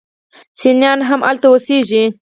سنیان هم هلته اوسیږي.